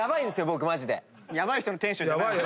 僕マジで。